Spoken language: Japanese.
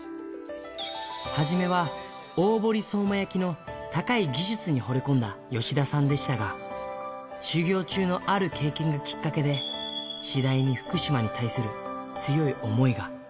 初めは大堀相馬焼の高い技術にほれ込んだ吉田さんでしたが、修業中のある経験がきっかけで、次第に福島に対する強い想いが。